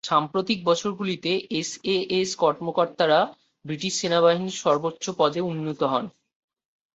সাম্প্রতিক বছরগুলিতে এসএএস কর্মকর্তারা ব্রিটিশ সেনাবাহিনীর সর্বোচ্চ পদে উন্নীত হন।